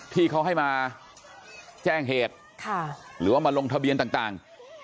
ที่เขาให้มาแจ้งเหตุหรือว่ามาลงทะเบียนต่าง